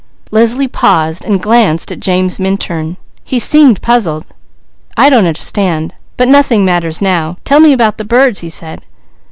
Leslie paused, glancing at James Minturn. He seemed puzzled: "I don't understand. But nothing matters now. Tell me about the birds," he said.